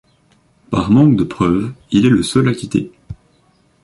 Par manque de preuves, il est le seul acquitté.